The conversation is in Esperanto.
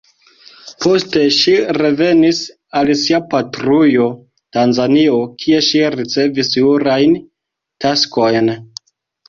Poste ŝi revenis al sia patrujo Tanzanio, kie ŝi ricevis jurajn taskojn.